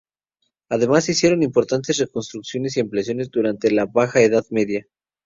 Además, se hicieron importantes reconstrucciones y ampliaciones durante la Baja Edad Media.